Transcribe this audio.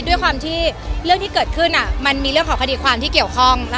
ด้วยความที่เรื่องที่เกิดขึ้นมันมีเรื่องของคดีความที่เกี่ยวข้อง